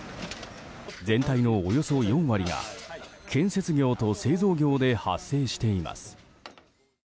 全体のおよそ４割が、建設業と製造業で発生しています。